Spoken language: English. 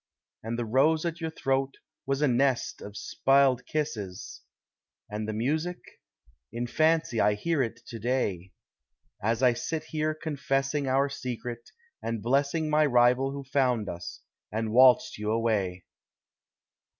And the rose at your throat was a nest of spi'led kisses! And the music! in fancy I hear it to day, As I sit here, confessing Our secret, and blessing My rival who found us, and waltzed you away.